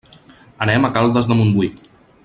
Anem a Caldes de Montbui.